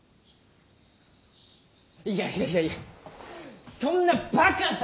いやいやいやいやそんなバカな。